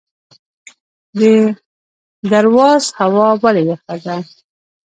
د درواز هوا ولې یخه ده؟